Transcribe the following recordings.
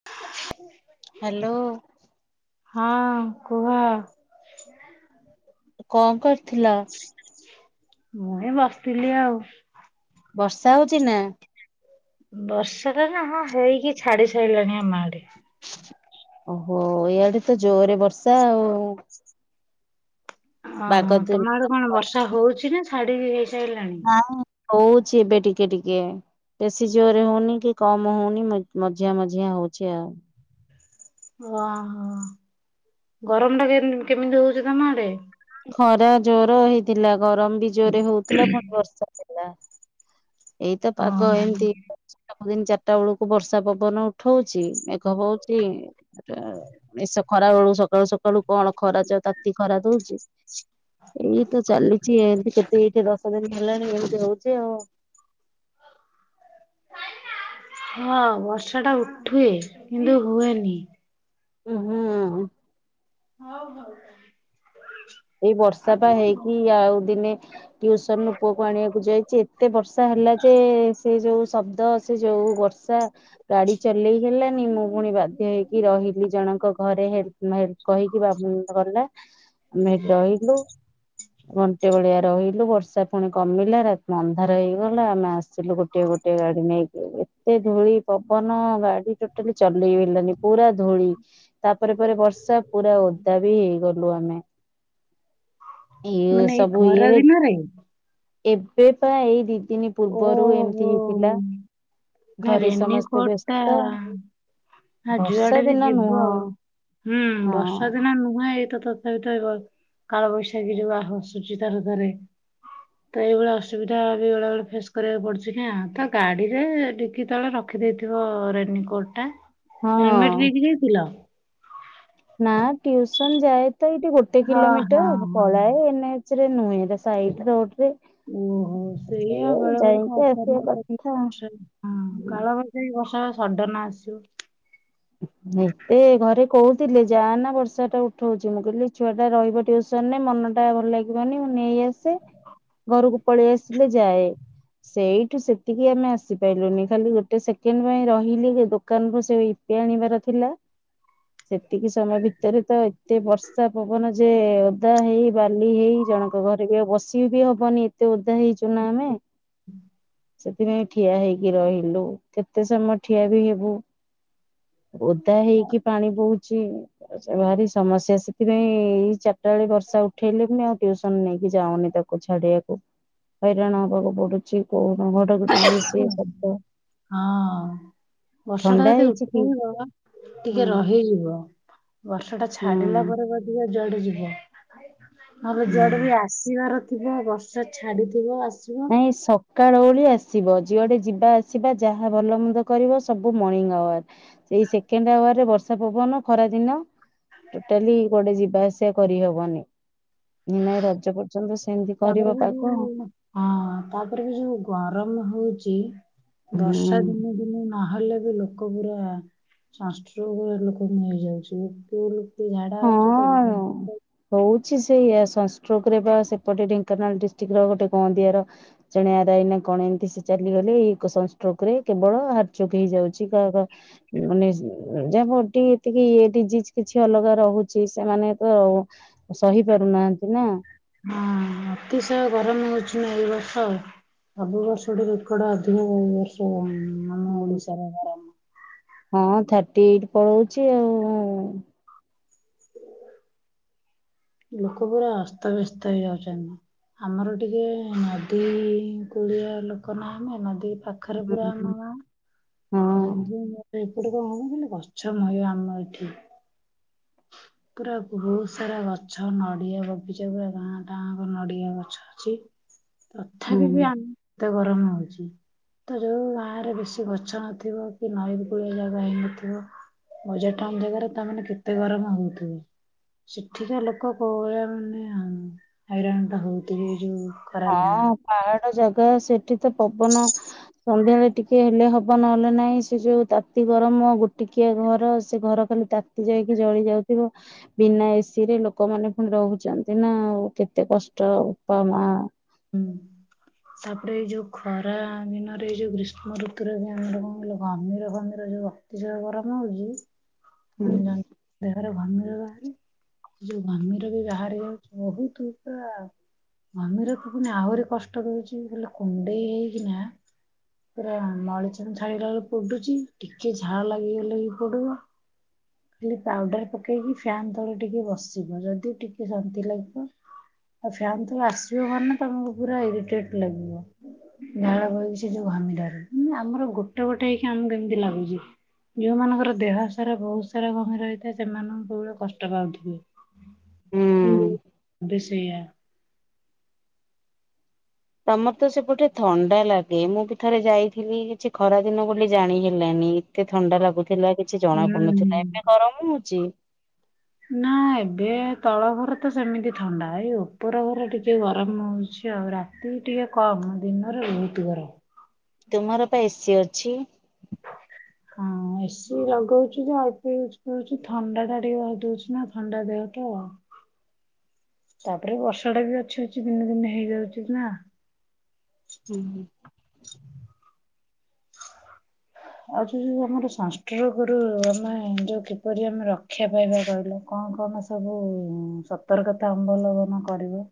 [inaudible] Hello. ହଁ କୁହ। କଣ କରୁଥିଲ? ମୁଁ ଏ ବସିଥିଲି ଆଉ। ବର୍ଷା ହଉଚି ନା? ବର୍ଷାଟା ନା ହଁ ହେଇକି ଛାଡି ସରିଲାଣି ଆମ ଆଡେ। ଓହୋ ଇଆଡେ ତ ଜୋରେ ବର୍ଷା ଆଉ। ବାଗ ଓହୋ ତ ତମ ଆଡେ କଣ ବର୍ଷା ହଉଚି ନା ଛାଡିକି ହେଇସାରିଲାଣି? ହଁ ହଉଚି ଏବେ ଟିକେ ଟିକେ ବେଶୀ ଜୋରରେ ହଉନି କି କମ ହଉନି ମଝିଆ ମଝିଆ ହଉଛି ଆଉ। ଓହୋ। ଗରମ ଟା କେ କେମିତି ହଉଚି ତମ ଆଡେ? ଖରା ଜୋର ହେଇଥିଲା ଗରମ ବି ଜୋରେ ହଉଥିଲା ପୁଣି ବର୍ଷା ହେଲା। ଏଇତ ପାଗ ଓହୋ ଏମତି। ସବୁ ଦିନ ଚାରିଟା ବେଳକୁ ବର୍ଷା ପବନ ଉଠଉଚି, ମେଘ ହଉଚି। ଏସ ଖରା ବେଳୁ ସକାଳୁ ସକାଳୁ କଣ ଖରା ଯେ ତାତି ଖରା ଦଉଚି। [unintelligible] ଏଇ ତ ଚାଲିଚି ଏମିତି କେତେ ଏଇଠି ଦଶ ଦିନ ହେଲାଣି ଏମିତି ହଉଚି ଆଉ। ହଁ ବର୍ଷା ଟା ଉଠେ କିନ୍ତୁ ହୁଏନି। ଉ ହୁଁ। ହଉ ହଉ। ଏଇ ବର୍ଷା ପା ହେଇକି ଆଉ ଦିନେ ଟିଉସନ ରୁ ପୁଅକୁ ଆଣିବାକୁ ଯାଇଚି ଏତେ ବର୍ଷା ହେଲା ଯେ ସେ ଯୋଉ ଶବ୍ଦ ସେ ଯୋଉ ବ ସା। ଗାଡି ଚଲେଇ ହେଲାନି ମୁଁ ପୁଣି ବାଧ୍ୟ ହେଇକି ରହିଲି ଜଣଙ୍କ ଘରେ ହେ କହିକି ବା ଗଲା। ଆମେ ହେଇଠି ରହିଲୁ। ଘଣ୍ଟେ ଭଳିଆ ରହିଲୁ ବର୍ଷା ପୁଣି କମିଲା ଅନ୍ଧାର ହେଇଗଲା ଆମେ ଗୋଟିଏ ଗୋଟିଏ ଗାଡି ନେଇକି ଏତେ ଧୂଳି ପବନ ଗାଡି ଟୋଟାଲି ଚଲେଇହେଲାନି। ପୁରା ଧୂଳି ତାପରେ ପରେ ବର୍ଷା ପୁରା ଓଦା ବି ହେଇଗଲୁ ଆମେ। ଇଏ ମାନେ ଏଇ ସବୁ ଇଏରେ [unintelligible] ଏବେ ପା ଏଇ ଦି ଦିନ ପୂର୍ବରୁ ଏମିତି ଓହୋ। ହେଇଥିଲା। ନା ଘରେ ସମସ୍ତେ ରେନିକୋଟ ବ୍ୟସ୍ତ। ହଁ ବର୍ଷା ଯୁଆଡେ ବି ଦିନ ଯିବ ନୁହଁ ଆଉ। ହୁଁ ହଁ ବର୍ଷା ଦିନ ନୁହଁ ଏଇ ଟା ତ କାଳବୈଶାଖୀ ଯୋଉ ଆସୁଚି ଥରେ ଥରେ [unintelligible] ତ ଏଇଭଳିଆ ଅସୁବିଧା ବି ବେଳେବେଳେ ଫେସ୍ କରିବାକୁ ପଡୁଛି ନା। ତ ଗାଡିରେ ଡିକି ତଳେ ର ରଖିଦେଇଥିବ ରେନିକୋଟ ଟା। ହେଲମେଟ ହଁ ନେଇକି ଯାଇଥିଲ? ନା ଟ୍ୟୁସନ ଯାଏ ତ ଏଇଠି ଗୋଟେ ହଁ ହଁ କିଲୋମିଟର ହଁ ପଳାଏ ଏନେ ରେ ନୁହେଁ ସାଇଟ ରୋଡରେ ଓହୋ ସେଇଆ ବେଳେ ବେଳେ। ଯାଇକି [unintelligible] ବର୍ଷା ଆସିବା କଥା। ବା ସଡନ ଆସିବ। ଏତେ ଘରେ କହୁଥିଲେ ଯା ନା ବର୍ଷା ଟା ଉଠଉଚି ମୁଁ କହିଲି ଛୁଆ ଟା ରହିବ ଟିୟୁ ମନ ଟା ଭଲ ଲାଗିବନି ମୁଁ ନେଇ ଆସେ ଘରକୁ ପଳେଇ ଆସିଲେ ଯାଏ। ସେଇଠୁ ସେତିକି ଆମେ ଆସିପାରିଲୁନି ଖାଲି ଗୋଟେ ସେକେଣ୍ଡ ପାଇଁ ରହିଲି ହେ ଦୋକାନରୁୁ ସେ ଆଣିବାର ଥିଲା। ସେତିକି ସମୟ ଭିତରେ ତ ଏତେ ବର୍ଷା ପବନ ଯେ ଓଦା ହେଇ ବାଲି ହେଇ ଜଣକ ଘରେ ବି ଆଉ ବସି ବି ହବନି ଏତେ ଓଦା ହେଇଚୁ ନା ଆମେ। ସେଥିପାଇଁ ଠିଆ ହେଇକି ରହିଲୁ କେତେ ସମୟ ଠିଆ ବି ହେବୁ। ଓଦା ହେଇକି ପାଣି ବୋହୁଚି ଭାରି ସମସ୍ୟା ସେଥିପାଇଁ ଏଇ ଚାରି ଟା ବେଳେ ବର୍ଷା ଉଠେଇଲେ ବି ଆଉ ଟିଉସନ ନେଇକି ଯାଉନି ତାକୁ ଛାଡିବାକୁ। ହଇରାଣ ହବାକୁ ପଡୁଚି କୋଉ ତାକୁ ଟିକେ ଶବଦ ହଁ ବର୍ଷା ଟା ଥଣ୍ଡା ଯଦି ହେଇଚି ଟିକେ ରହିଯିବ ବର୍ଷ ଟା ଛାଡିଲା ହୁଁ ପରେ ପଛିକା ଯୁଆଡ଼େ ଯିବ। ନହେଲେ ଯୁଆଡେ ହୁଁ। ବି ଆସିବାର ଥିବ ବର୍ଷା ଛାଡିଥିବ ଆ ନାଇଁ ସ କାଳୁ ଉଳି ଆସିବ ଯୁଆଡେ ଯିବା ଆସିବା ଯାହା ଭଲ ମନ୍ଦ କରିବ ସବୁ ମର୍ଣିଂ ଆୱାର। ସେଇ ସେକେଣ୍ଡ ଆୱାର ରେ ବର୍ଷା ପବନ ଖରା ଦିନ। ଟୋଟାଲି କୁଆଡେ଼ ଯିବା ଆସିବା କରିହବନି ନାଇଁ ରଜ ପର୍ଯ୍ୟନ୍ତ ସ ସେମିତି ତାପରେ କରିବ ବି ଯୋଉ ପାଗ। ହଁ ତାପରେ ବି ଯୋଉ ଗରମ ହଉଛି ବର୍ଷା ହୁଁ। ଦିନେ ଦିନେ ନହେଲେ ବି ଲୋକ ପୁରା ସଂଷ୍ଟ୍ରୋକ ରେ ଲୋକ ମରି ଯାଉଚି ଫେରେ କିଏ ଝାଡା ହଉଛି ତ ହଁ। ହଉଛି ସେଇଆ ସନଷ୍ଟ୍ରକ୍ ରେ ବା ସେପଟେ ଢେଙ୍କାନାଳ ଡିଷ୍ଟ୍ରିକଟ ର ଗୋଟେ ଗଁନ୍ଦିଆ ର ଜଣେ ଆର ଆଇ ନା କଣ ଏମିତି ସେ ଚାଲିଗଲେ ଏଇ ସଂଷ୍ଟୋକ ରେ କେବଳ ହାର୍ଟଚୋକ ହେଇଯାଉଚି କାହର ମାନେ ଯାହାର ଯଦି କିଛି ଡିଜିଜ କିଛି ଅଲଗା ରହୁଛି ସେମାନେ ତ ସହି ପାରୁନାହାନ୍ତି ନା। ହଁ ଅତିଶୟ ଗରମ ହଉଚି ନା ଏଇ ବର୍ଷ। ସବୁବର୍ଷ ଠାରୁ ରେକର୍ଡ [unintelligible] ହୁଁ ଓଡ଼ିଶାର [inaudible] ହଁ ଥାର୍ଟିଏଇଟ୍ ପଳଉଚି ଆଉ ଲୋକ ପୁରା ଅସ୍ତବେସ୍ତ ହେଇଯାଉଚନ୍ତି। ଆମର ଟିକେ ନଦୀ କୂଳିଆ ଲୋକ ନା ଆମେ ନଦୀ ପା ଖରେ ପୁରା ହୁଁ। ଆମ ଗାଁ ହୁଁ ତ ହଁ ସେଥିପାଇଁ ତ ଏପଟେ କଣ କି ଗଛ ମୟ ଆମ ଏଠି [inaudible] ପୁରା ବହୁତ ସାରା ଗଛ ନଡ଼ିଆ ବଗିଚା ପୁରା ଗାଁ ଟାଁଙ୍କ ନଡ଼ିଆ ଗଛ ଅଛି। ତଥାପି ହୁଁ ବି ଆମ ତ ଗରମ ହଉଚି। ତ ଯୋଉ ଗାଁ ରେ ବେଶୀ ଗଛ ନଥିବ କି ନଈ କୁଳିଆ ଜାଗା ହେଇନଥିବ ବଜାର ଟାଉନ୍ ଜାଗାରେ ତାମାନେ କେତେ ଗରମ ହଉଥିବେ। ସେଠିକା ଲୋକ କୋଉ ଭଳିଆ ମାନେ ହ ହଇରଣ ଟା ହଉଥିବେ ଏ ଯୋଉ ଖରା ହଁ ଦିନରେ। ପାହାଡ ଜାଗା ସେଠି ତ ପବନ ସନ୍ଧ୍ୟାବେଳେ ଟିକେ ହେଲେ ହବ ନହେଲେ ନାହିଁ ସେ ଯୋଉ ତାତି ଗରମ ଗୋଟିକିଆ ଘର ସେ ଘର ଖାଲି ତାତି ଯାଇକି ଜଳି ଯାଉଥିବ। ବିନା ଏସି ରେ ଲୋକମାନେ ପୁଣି ରହୁଛନ୍ତି ନା ଆଉ କେତେ କଷ୍ଟ ବୋପା ମା। ହୁଁ। ତାପରେ ଏଇ ଯୋଉ ଖରା ଦିନରେ ଏଇ ଯୋଉ ଗ୍ରୀଷ୍ମ ଋତୁରେ ବି ଆମର କଣ କହିିଲ ଘମିର ଘମିର ଯୋଉ ଅତିଶୟ ଗରମ ହଉଚି ହୁଁ। ମାନେ ଦେହରେ ଘମିର ବାହାରେ ଯୋଉ ଘମିର ବି ବାହାରିବ ଯୋଉ ବହୁତ ପୂରା ଘମିର ମୁଁ କନି ଆହୁରି କଷ୍ଟ ଦଉଚି ହେଲେ କୁଣ୍ଡେଇ ହେଇକିନା ପୁରା ମଳିଚନ ଛାଡିଗଲା ବେଳକୁ ପୋଡୁଚି ଟିକେ ଝାଳ ଲାଗିଗଲେ ବି ପୋଡିବ। ଖାଲି ପାଉଡର ପକେଇକି ଫ୍ୟାନ ତଳ ଟିକେ ବସିବ ଯଦି ଟିକେ ଶାନ୍ତି ଲାଗିବ। ଆଉ ଫ୍ୟାନ ତଳୁ ଆସିବ ମାନେ ତମକୁ ପୁରା ଏରିଟେଡ ଲାଗିବ। ଝାଳ ବୋଉଚି ଯୋଉ ଘମିରରୁ ଆମର ଗୋଟେ ଗୋଟେ ହେଇକି ଆମକୁ ଏମିତି ଲାଗୁଚି। ଯୋଉ ମାନଙ୍କର ଦେହ ସାରା ବହୁତ ସାରା ଘମିର ହେଇଥାଏ ସେମାନେ କୋଉ ଭଳିଆ କଷ୍ଟ ପାଉଥିବେ। ହୁଁ। ହୁଁ ବି ସେୟା ତମର ତ ସେପଟେ ଥଣ୍ଡା ଲାଗେ ମୁଁ ବି ଥରେ ଯାଇଥିଲି କିଛି ଖରା ଦିନ ବୋଲି ଜାଣି ହେଲାନି। ଏତେ ଥଣ୍ଡା ଲାଗୁଥିଲା କିଛି ଜଣା ପଡୁନଥିଲା ହୁଁ। ଏବେ ଗରମ ହଉଚି। ନା ଏବେ ତଳ ଘର ତ ସେମିତି ଥଣ୍ଡା ଏଇ ଉପର ଘର ଟିକେ ଗରମ ହଉଚି ଆଉ ରା ତିକି ଟିକେ କମ୍ ଦିନରେ ବହୁତ ଗରମ। ତୁମର ପା ଏସି ଅଛି। ହଁ [inaudible] ଏସି ଲଗଉଚି ଯେ ଅଳ୍ପ ୟୁଜ କରୁଚୁ ଥଣ୍ଡାଟା ଟିକେ ଧରି ଦଉଛି ନା ଥଣ୍ଡା ଦେହ ତ ହ [inaudible] ତାପରେ ବର୍ଷା ଟା ବି ଅଛି ଅଛି ଦିନେ ଦିନେ ହେଇଯାଉଚି ନା। ହୁଁ ହୁଁ। ଆଉ ଯଉ ଆମର ସଂଷ୍ଟ୍ରୋକ୍ ରୁ ଆମେ ଯୋଉ କିପରି ଆମେ ରକ୍ଷା ପାଇବା କହିଲ। କଣ କଣ ସବୁ ସତର୍କତା ଅବଲମ୍ବନ କରିବେ?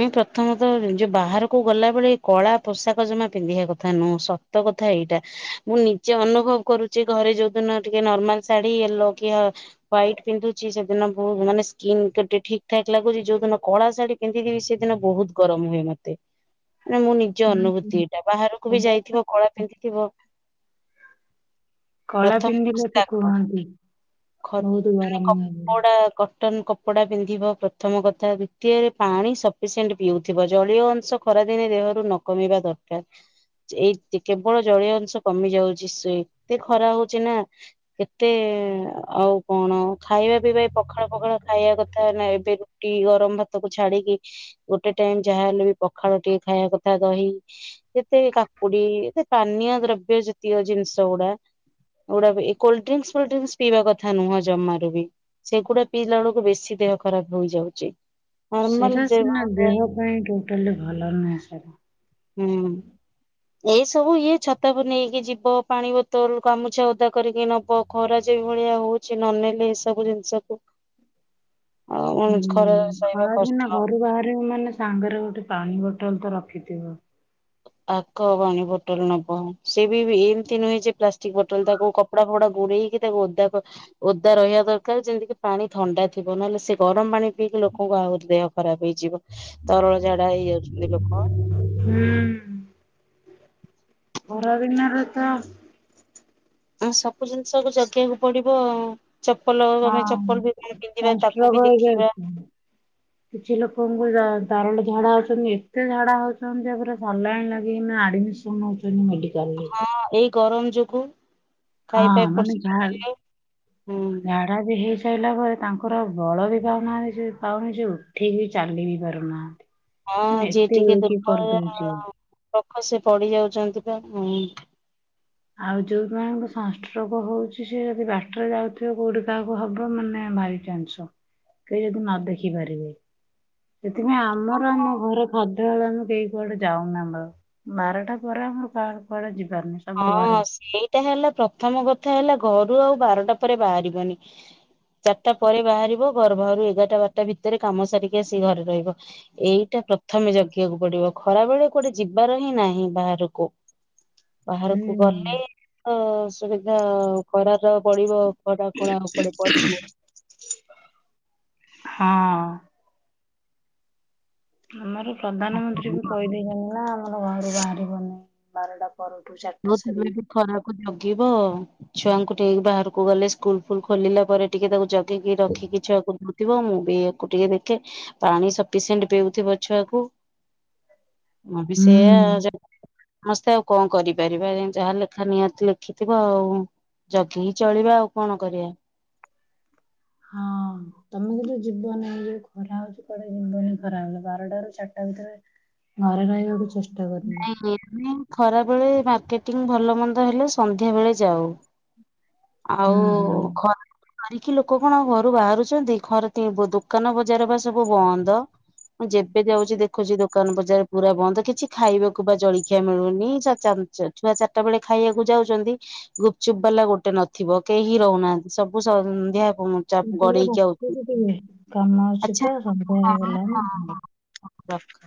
ମୁଇ ପ୍ରଥମତଃ ଯୋଉ ବାହାରକୁ ଗଲାବେଳେ କଳା ପୋଷାକ ଜମା ପିନ୍ଧିବା କଥା ନୁହଁ ସ ତ କଥା ଏଇଟା। ମୁଁ ନିଜେ ଅନୁଭବ କରୁଛି ଘରେ ଯୋଉଦିନ ଟିକେ ନର୍ମାଲ ଶାଢୀ ୟେଲୋ କି ହ ହ୍ୱାଇଟ୍ ପିନ୍ଧୁଛି ସେଦିନ ବହୁତ ମାନେ ସ୍କିନ୍ ଠିକ ଠାକ ଲାଗୁଛି ଯୋଉ ଦିନ କଳା ଶାଢୀ ପିନ୍ଧିଥିବି ସେଦିନ ବହୁତ ଗରମ ହୁଏ ମତେ ମାନେ ମୁଁ ନି ଜ ଅନୁଭୂତି ଏଟା ବାହାରକୁ ବି ଯାଇଥିବ କଳା ପିନ୍ଧିଥିବ କଳା ପ୍ରଥମ ପିନ୍ଧିଲେ ତ ପୃଷ୍ଠା କହ। କୁହନ୍ତି ଖତ୍ ବହୁତ ମାନେ ଗରମ ହୁଏ ବୋଲି। କପଡା କ୍ କଟନ କପଡ଼ା ପିନ୍ଧିବ ପ୍ରଥମ କଥା ଦ୍ୱିତୀୟରେ ପାଣି ସ ପିସେଣ୍ଟ ପିଉଥିବ ଜଳୀୟ ଅଂଶ ଖରାଦିନେ ଦେହରୁ ନକମିବା ଦରକାର। ଏଇ କେବଳ ଜଳୀୟ ଅଂଶ କମି ଯାଉଛି ସେ ଏତେ ଖରା ହଉଛି ନା। କେତେ ଆଉ କଣ ଖାଇବା ପିଇବା ଏ ପଖାଳ ପଖାଳ ଖାଇବା କଥା ନା ଏବେ ଟି ଗରମ ଭାତକୁ ଛାଡିକି ଗୋଟେ ଟାଇମ ଯାହାହେଲେ ବି ପଖାଳ ଟିକେ ଖାଇବା କଥା ଦହି ଯେତେ କାକୁଡି ଏତେ ପାନୀୟ ଦ୍ରବ୍ୟ ଜାତୀୟ ଜିନିଷ ଗୁଡା ଗୁଡା ବି ଏ କୋଲ୍ଡଡ୍ରିଂକ୍ସ ଫୋଲ୍ଡଡ୍ରିଂକ୍ସ ପିଇବା କଥା ନୁହଁ ଜମାରୁ ବି। ସେଗୁଡା ପିଇଲା ବେଳକୁ ବେଶୀ ଦେହ ଖରାପ ହେଇଯାଉଛି। ନର୍ମାଲ ଯେ ନା ଦେହ ପାଇଁ ଟୋଟାଲି ଭଲ ନୁହେଁ ସେରା। ହୁଁ। ଏଇ ସବୁ ଇଏ ଛତାକୁ ନେଇକି ଯିବ ପାଣି ବୋତଲ ଗାମୁଛା ଓଦା କରିକି ନବ ଖରା ଯେ ଭଳିଆ ହୋଉଛି ନନେଲେ ଏ ସବୁ ଜିନିଷକୁ ଆଉ ହୁଁ ଖରା ସହିବା ଖରାଦିନେ କଷ୍ଟ। ଘରୁ ବାହାରିବୁ ମାନେ ସାଙ୍ଗରେ ଗୋଟେ ପାଣି ବୋଟଲ ତ ରଖିଥିବ। ଆଗ ପାଣୀ ବୋଟଲ ନବ। ସେ ବି ଏମିତି ନୁହେଁ ଯେ ପ୍ଲାଷ୍ଟିକ ବୋଟଲ ତାକୁ କ୍ କପଡ଼ା ଫପଡ଼ା ଗୁଡେଇ କି ତାକୁ ଓଦା କ୍ ଓଦା ରହିବା ଦରକାର ଯେମିତିକି ପାଣି ଥଣ୍ଡା ଥିବ ନହେଲେ ସେ ଗରମ ପାଣି ପିଇକି ଲୋକଙ୍କ ଆହୁରି ଦେହ ଖରାପ ହେଇଯିବ। ତରଳ ଝାଡା ହେଇଯାଉଛନ୍ତି ଲୋକ। ହୁଁ। ଖରା ଦିନରେ ତ ଆ ସବୁ ଜିନିଷକୁ ଜଗିବାକୁ ପଡିବ ଆଉ। ଚପଲ ଆମେ ହଁ ଚପଲ ବି ପିନ୍ଧିବା ତାକୁ ବି ସଂଷ୍ଟ୍ରୋକ ଦେଖିବା। ହେଇଯାଉଛି। କିଛି ଲୋକଙ୍କୁ ତ ତରଳ ଝାଡା ହୋଉଛନ୍ତି ଏତେ ଝାଡା ହୋଉଛନ୍ତି ଯେ ପୁରା ସାଲାଇନ୍ ଲାଗିିକିନା ଆଡମିସ ସନ୍ ହୋଉଛନ୍ତି ମେଡିିକାଲରେ। ହଁ ଏଇ ଗରମ ଯୋଗୁ ହଁ ଖାଇବା ଏପଟ ମାନେ ସେପଟ ହେଇଯୋଗୁ ହଁ। ଡ଼ା ବି ହେଇସାରିଲା ପରେ ତାଙ୍କର ଆଉ ବଳ ବି ପାଉନାହାନ୍ତି ସେ ପାଉନି ଯେ ଉଠିକି ଚାଲି ବି ପାରୁନାହାନ୍ତି। ହଁ ମାନେ ଯିଏ ଏତେ ଟିକେ ୱିକ ଦୁର୍ବଳ କରିଦଉଛି। ଲୋକ ସେ ପଡିଯାଉଛନ୍ତି ପା ହୁଁ। ଆଉ ଯୋଉ ମାନଙ୍କୁ ସନଷ୍ଟ୍ରୋଗ ହୋଉଛି ସେ ଯଦି ବାଟରେ ଯାଉଥିବେ କୋଉଠି କାହାକୁ ହବ ମାନେ ଭାରି ଜାନିଶ କେହି ଯଦି ନ ଦେଖିପାରିବେ। ସେଥିପାଇଁ ଆମର ଆମ ଘର ଖାଦ୍ୟ ବେଳ ଆମେ କେହି କୁଆଡେ ଯାଉନ ଆମର। ବାରଟା ପରେ ଆମର କାହାର କୁଆଡେ ଯିବାର ନାହିଁ। ସବୁ ହଁ ଘରେ। ସେଇଟା ହେଲା ପ୍ରଥମ କଥା ହେଲା ଘରୁ ଆଉ ବାରଟା ପରେ ବାହାରିବନି। ଚାରିଟା ପରେ ବାହାରିବ। ଘର ବାହାରୁ ଏଗାରଟା ବାରଟା ଭିତରେ କାମ ସାରିକି ଆସିକି ଘରେ ରହିବ। ଏଇଟା ପ୍ରଥମେ ଜଗିବାକୁ ପଡିବ। ଖରାବେଳେ କୁଆଡେ ଯିବାର ହିଁ ନାହିଁ ବାହାରକୁ। ବାହାରକୁ ଗଲେ ହୁଁ। ତ ଅସୁବିଧା ଖରାଟା ପଡିବ। ଖରା କୋଣା ଉପରେ ପଡିବ। ହଁ। ଆମର ପ୍ରଧାନମନ୍ତ୍ରୀ ବି କହିଦେଇଛନ୍ତି ନା ଆମର ଘରୁ ବାହାରିବନି ବାରଟା ପରଠୁ ଚାରିଟା ସାରି। କୁ ଜଗିବ ଛୁଆଙ୍କୁ ନେଇକି ବାହାରକୁ ଗଲେ ସ୍କୁଲ ଫୁଲ ଖୋଲିଲା ପରେ ଟିକେ ତାକୁ ଜ ଗିକି ରଖିକି ଛୁଆକୁ ଥିବ ମୁଁ ବି ଆକୁ ଟିକେ ଦେଖେ ପାଣି ସଫିସିଏଣ୍ଟ ପେଉଥିବ ଛୁଆକୁ। ମୁଁ ବି ହୁଁ। ସେଇଆ ସମସ୍ତେ ଆଉ କଣ କରିବି। ପାରିବା ଯାହା ଲେଖା ନିହାତି ଲେଖିଥିବ ଆଉ ଜଗିକି ଚଳିବା ଆଉ କଣ କରିବା। ହଁ ତମକୁ ଯ ଜୀବନ ଯୋଉ ଖରା ହଉଛି କୁଆଡେ ଜୀବନ ହି ଖରା ବେଳେ ବାରଟାରୁ ଚାଟା ଭିତରେ ଘରେ ରହିବାକୁ ଚେଷ୍ଟ୍ ନାଇଁ ଆମେ ଖରାବେଳେ ମାର୍କେଟିଙ୍ଗ୍ ଭଲ ମନ୍ଦ ହେଲେ ସନ୍ଧ୍ୟା ବେଳେ ଯାଉ ଆଉ ହୁଁ ହୁଁ। ଖରା ମରିକି ଲୋକ କଣ ଘରୁ ବାହାରୁଛନ୍ତି ଖରାଦି ବ ଦୋକାନ ବଜାର ବା ସବୁ ବନ୍ଦ ମୁଁ ଯେବେ ଯାଉଛି ଦେଖୁଛି ଦୋକାନ ବଜାର ପୁରା ବନ୍ଦ କିଛି ଖାଇବାକୁ ବା ଜଳଖିଆ ମିଳୁନି ଚା ଚା ଛୁଆ ଚାଟା ବେଳେ ଖାଇବାକୁ ଯାଉଛନ୍ତି। ଗୁପଚୁପ୍ ବାଲା ଗୋଟେ ନଥିବ କେହି ହିଁ ରହୁନାହାନ୍ତି ସବୁ ସନ୍ଧ୍ୟା ଘୁ ମୁଁ ଚପ ତାହେଲେ ଗଡେଇ ଆଉ ରଖୁଛି ଟିକେ କାମ ଅଛି ଆଚ୍ଛା ତ ସନ୍ଧ୍ୟା ହଁ ହଁ ହେଇଗଲାଣି। ହଁ। ରଖ।